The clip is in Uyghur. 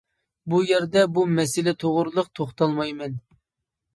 بۇ يەردە بۇ مەسىلە توغرىلىق توختالمايمەن.